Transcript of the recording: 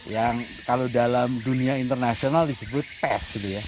yang kalau dalam dunia internasional disebut pes